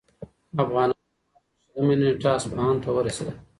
افغانان د مارچ په شلمه نېټه اصفهان ته ورسېدل.